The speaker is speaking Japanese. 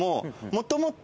もともと。